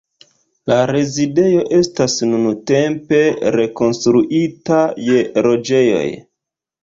La rezidejo estas nuntempe rekonstruita je loĝejoj.